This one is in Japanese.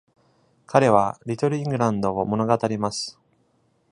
彼は「リトルイングランド」を物語ます。